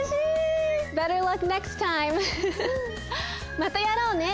またやろうね。